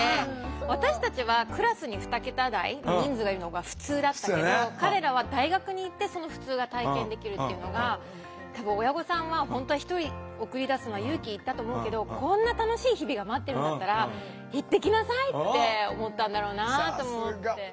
私たちはクラスに２桁台の人数がいるのがふつうだったけど彼らは大学に行ってそのふつうが体験できるっていうのが多分親御さんは本当は一人送り出すのは勇気いったと思うけどこんな楽しい日々が待ってるんだったら「行ってきなさい」って思ったんだろうなと思って。